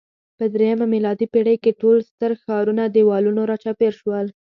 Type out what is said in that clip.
په درېیمه میلادي پېړۍ کې ټول ستر ښارونه دېوالونو راچاپېر شول